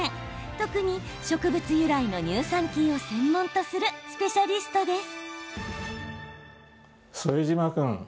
特に植物由来の乳酸菌を専門とするスペシャリストです。